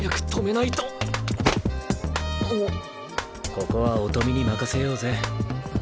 ここは音美に任せようぜ。